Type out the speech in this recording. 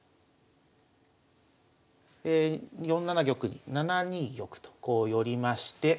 ４七玉に７二玉とこう寄りまして。